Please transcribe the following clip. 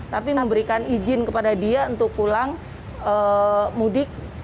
tapi memberikan izin kepada dia untuk pulang mudik